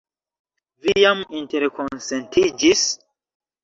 Vi jam interkonsentiĝis?